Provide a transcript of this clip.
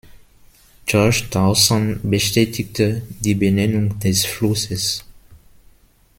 George Dawson bestätigte die Benennung des Flusses.